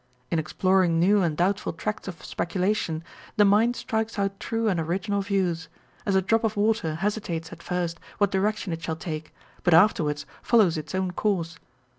t In exploring new and doubtful tracts of speculation, the mind strikes out true and original views ; as a drop of water hesitates at first what direction it shall take, but afterwards follows its own course.